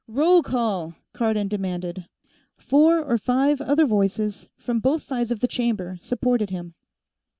"Roll call!" Cardon demanded. Four or five other voices, from both sides of the chamber, supported him.